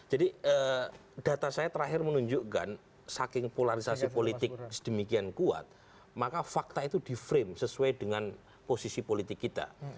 jadi data saya terakhir menunjukkan saking polarisasi politik sedemikian kuat maka fakta itu di frame sesuai dengan posisi politik kita